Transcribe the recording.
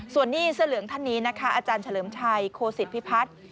ส่วนหนี้เสื้อเหลืองท่านนี้นะคะอาจารย์เฉลิมชัยโคสิตพิพัฒน์